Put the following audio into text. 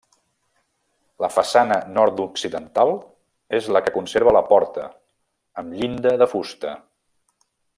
La façana nord-occidental és la que conserva la porta, amb llinda de fusta.